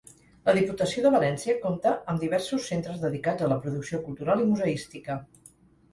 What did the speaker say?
La Diputació de València compta amb diversos centres dedicats a la producció cultural i museística.